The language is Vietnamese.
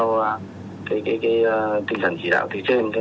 và các thí sinh khác trên địa bàn không bủ điều kiện thi đợt này